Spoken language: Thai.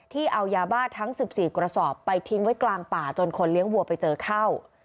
เอายาบ้าทั้ง๑๔กระสอบไปทิ้งไว้กลางป่าจนคนเลี้ยงวัวไปเจอเข้า